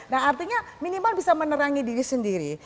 nah artinya minimal bisa menerangi diri sendiri